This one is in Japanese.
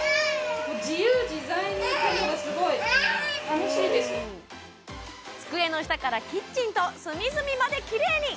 続いて机の下からキッチンと隅々まできれいに！